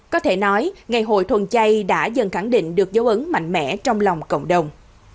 có thể nói ngày hội thuần chay đã dần khẳng định được dấu ấn mạnh mẽ trong lòng cộng đồng